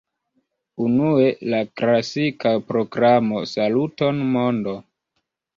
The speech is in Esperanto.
Unue, la klasika programo "Saluton, mondo!